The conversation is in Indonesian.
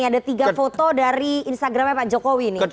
ada tiga foto dari instagram pak jokowi